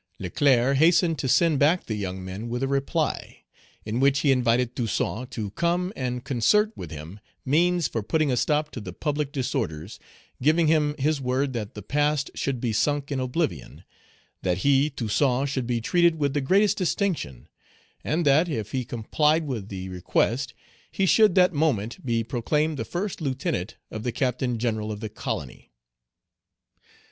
Leclerc hastened to send back the young men with a reply, in which he invited Toussaint to come and concert with him means for putting a stop to the public disorders; giving him his Page 178 word that the past should be sunk in oblivion; that he, Toussaint, should be treated with the greatest distinction; and that, if he compiled with the request, he should that moment be proclaimed the first lieutenant of the Captain General of the colony.